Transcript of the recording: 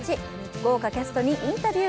豪華キャストにインタビュー。